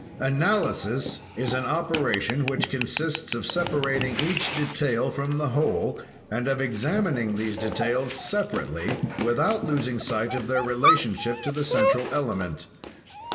"Analysis is an operation, which consists of separating each detail from the whole and of examining these details separately, without losing sight of their relationship to the central element.